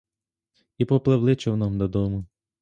І попливли човном додому.